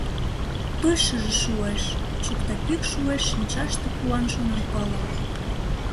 Той шыже шуэш, Чӱкта пӱкш уэш Шинчаште куан шонанпылым.